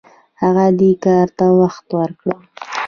هغه دې کار ته وخت ورکړ.